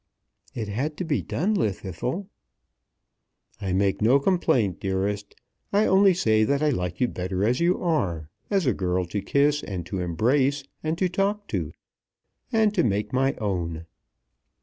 "It had to be done, Llwddythlw." "I make no complaint, dearest. I only say that I like you better as you are, as a girl to kiss, and to embrace, and to talk to, and to make my own."